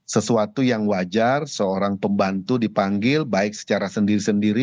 sesuatu yang wajar seorang pembantu dipanggil baik secara sendiri sendiri